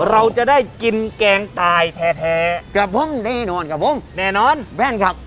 เราจะได้กินแกงตายแท้กับผมแน่นอนครับผมแน่นอนแม่นครับ